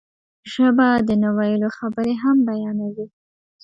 ژبه د نه ویلو خبرې هم بیانوي